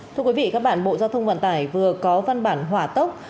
thưa quý vị các bạn bộ giao thông vận tải vừa có văn bản hỏa tốc